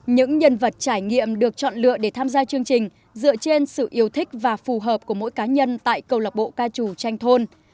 những nhân vật trải nghiệm được chọn lựa để tham gia chương trình dựa trên sự yêu thích và phù hợp của mỗi cá nhân tại câu lạc bộ ca trù tranh thôn